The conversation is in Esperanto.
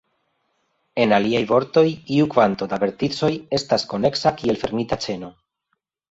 En aliaj vortoj, iu kvanto da verticoj estas koneksa kiel fermita ĉeno.